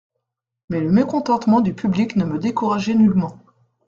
Mais le mécontentement du public ne me découragerait nullement.